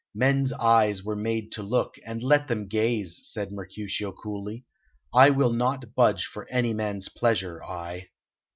"Men's eyes were made to look, and let them gaze," said Mercutio coolly. "I will not budge for any man's pleasure, I!"